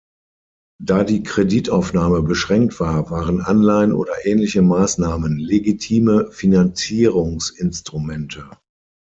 Da die Kreditaufnahme beschränkt war, waren Anleihen oder ähnliche Maßnahmen legitime Finanzierungsinstrumente.